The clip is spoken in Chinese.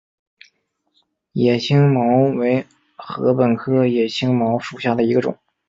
野青茅为禾本科野青茅属下的一个种。